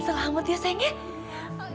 selamat ya sayangnya